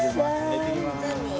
いってきます！